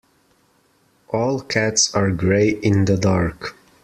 All cats are grey in the dark.